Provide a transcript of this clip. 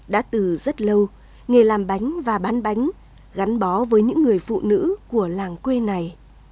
đã từ rất lâu nghề làm bánh và bán bánh gắn bó với những người phụ nữ của làng quê này